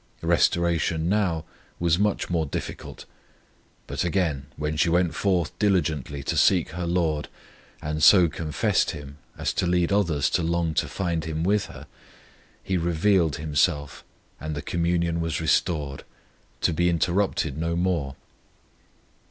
Restoration now was much more difficult; but again when she went forth diligently to seek her LORD, and so confessed Him as to lead others to long to find Him with her, He revealed Himself and the communion was restored, to be interrupted no more.